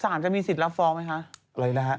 จะมีสิทธิ์รับฟ้องไหมคะอะไรนะฮะ